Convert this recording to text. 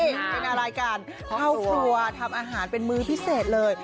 เพื่อนรายการเข้ากดฟั่วทำอาหารเป็นมื้อพิเศษเลย